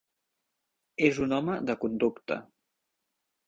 És un home de conducta.